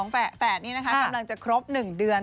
๒แฝดนี่นะคะพร้อมจะครบ๑เดือน